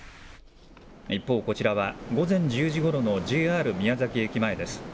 一方、こちらは午前１０時ごろのＪＲ宮崎駅前です。